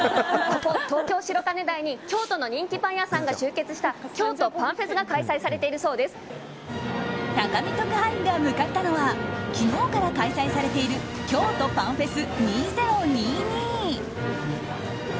東京・白金台に京都の人気パン屋さんが集結した「京都パンフェス」が高見特派員が向かったのは昨日から開催されている「京都パンフェス２０２２」。